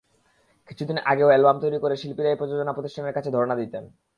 কিছুদিন আগেও অ্যালবাম তৈরি করে শিল্পীরাই প্রযোজনা প্রতিষ্ঠানের কাছে ধরনা দিতেন।